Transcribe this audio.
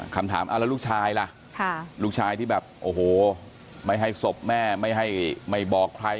คำถามแล้วลูกชายล่ะลูกชายที่แบบโอ้โหไม่ให้ศพแม่ไม่ให้ไม่บอกใคร